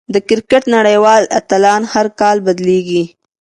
د کرکټ نړۍوال اتلان هر کال بدلېږي.